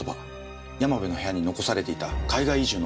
山部の部屋に残されていた海外移住の本とも符合します。